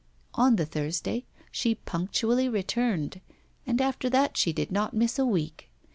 On the Thursday she punctually returned, and after that she did not miss a week.